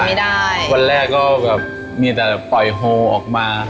วันแรกก็มีแต่ปล่อยโฮลออกมา